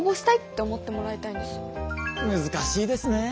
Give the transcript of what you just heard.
難しいですねえ